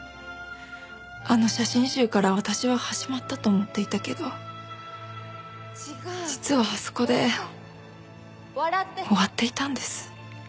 あの写真集から私は始まったと思っていたけど実はあそこで終わっていたんです。